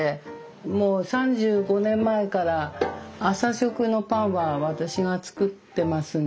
もう３５年前から朝食のパンは私が作ってますんで。